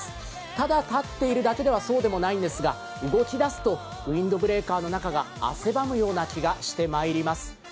ただ立っているだけではそうでもないんですが、動き出すとウインドブレーカーの中が汗ばむような気がしてまいります。